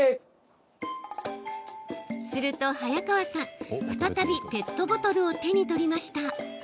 すると早川さん、再びペットボトルを手に取りました。